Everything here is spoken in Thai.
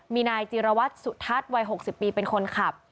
มีนายจิรวัตรสุทัศน์วัย๖๐ปีเป็นคนขับ